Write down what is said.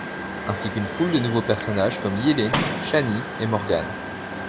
Ainsi qu'une foule de nouveaux personnages comme Yeleen, Chani et Morgan.